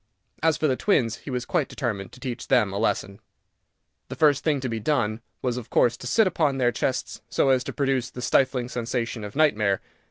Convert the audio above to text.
As for the twins, he was quite determined to teach them a lesson. The first thing to be done was, of course, to sit upon their chests, so as to produce the stifling sensation of nightmare.